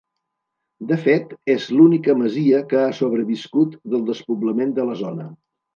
De fet, és l'única masia que ha sobreviscut del despoblament de la zona.